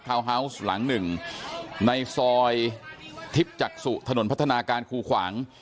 ฮาวส์หลังหนึ่งในซอยทิพย์จักษุถนนพัฒนาการคูขวาง